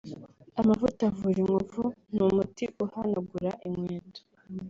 amavuta avura inkovu n’umuti uhanagura inkweto